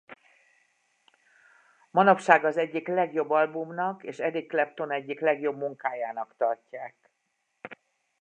Manapság az egyik legjobb albumnak és Eric Clapton egyik legjobb munkájának tartják.